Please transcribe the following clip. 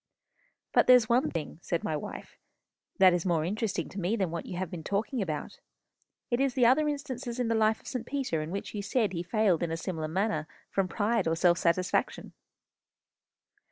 "But there's one thing," said my wife, "that is more interesting to me than what you have been talking about. It is the other instances in the life of St. Peter in which you said he failed in a similar manner from pride or self satisfaction."